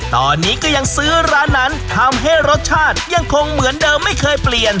ตอนนี้ก็ยังซื้อร้านนั้นทำให้รสชาติยังคงเหมือนเดิมไม่เคยเปลี่ยน